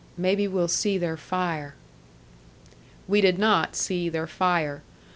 Maybe we'll see their fire." We did not see their fire.